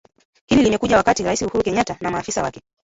Hili limekuja wakati Raisi Uhuru Kenyatta na maafisa wake